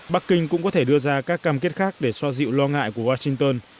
bắc kinh cũng có thể đưa ra các cam kết khác để xoa dịu lo ngại của washington